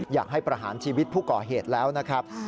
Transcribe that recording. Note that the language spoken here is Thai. อยากให้ประหารชีวิตผู้ก่อเหตุแล้วนะครับ